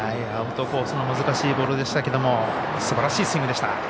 アウトコースの難しいボールでしたがすばらしいスイングでした。